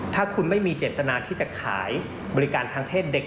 ถ้าคุณไม่มีเจตนาที่จะขายบริการทางเพศเด็ก